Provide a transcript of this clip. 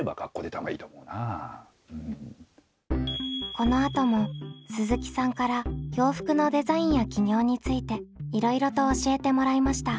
このあとも鈴木さんから洋服のデザインや起業についていろいろと教えてもらいました。